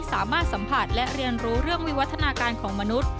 สามารถสัมผัสและเรียนรู้เรื่องวิวัฒนาการของมนุษย์